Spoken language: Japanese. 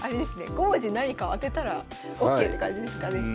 ５文字何かを当てたらＯＫって感じですかね。